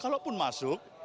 kalau pun masuk